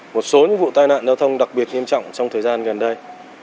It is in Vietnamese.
một số những vụ tai nạn giao thông đặc biệt nghiêm trọng trong thời gian gần đây